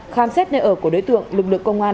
khám xét nơi ở của đối tượng lực lượng công an